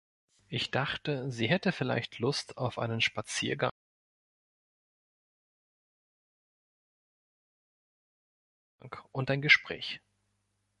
Ich dachte, sie hätte vielleicht Lust auf einen Spaziergang und ein Gespräch.